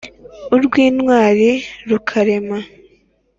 Urw' intwari rukarema;